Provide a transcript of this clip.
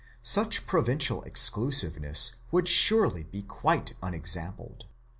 Such provincial exclusiveness would surely be quite unexampled.